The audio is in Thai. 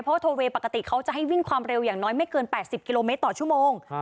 เพราะโทเวย์ปกติเขาจะให้วิ่งความเร็วอย่างน้อยไม่เกิน๘๐กิโลเมตรต่อชั่วโมง